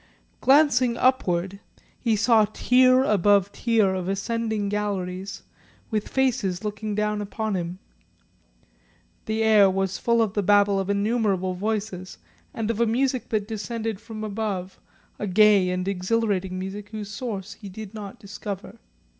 Glancing upward, he saw tier above tier of ascending galleries with faces looking down upon him. The air was full of the babble of innumerable voices and of a music that descended from above, a gay and exhilarating music whose source he did not discover.